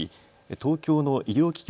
東京の医療機器